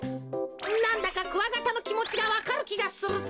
なんだかクワガタのきもちがわかるきがするぜ。